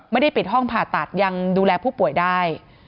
ไม่ได้ปิดห้องผ่าตัดยังดูแลผู้ป่วยได้